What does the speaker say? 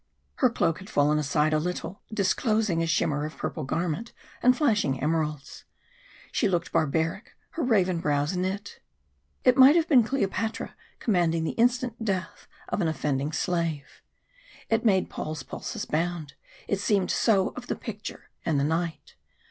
Her cloak had fallen aside a little, disclosing a shimmer of purple garment and flashing emeralds. She looked barbaric, her raven brows knit. It might have been Cleopatra commanding the instant death of an offending slave. It made Paul's pulses bound, it seemed so of the picture and the night.